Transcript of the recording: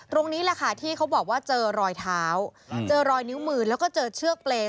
ตรงนี้แหละค่ะที่เขาบอกว่าเจอรอยเท้าเจอรอยนิ้วมือแล้วก็เจอเชือกเปรย์